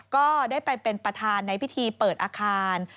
ก็ได้ไปเป็นประธานในพิธีเปิดอาคาร